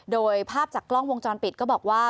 โดยภาพจากกล้องวงจรปิดก็บอกว่า